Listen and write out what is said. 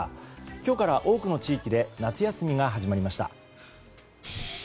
今日から多くの地域で夏休みが始まりました。